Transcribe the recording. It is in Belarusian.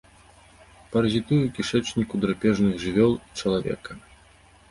Паразітуе ў кішэчніку драпежных жывёл і чалавека.